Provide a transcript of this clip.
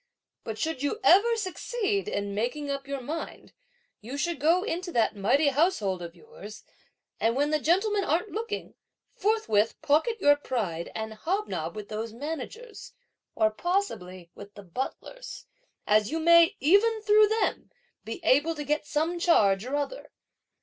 But should you ever succeed in making up your mind, you should go into that mighty household of yours, and when the gentlemen aren't looking, forthwith pocket your pride and hobnob with those managers, or possibly with the butlers, as you may, even through them, be able to get some charge or other!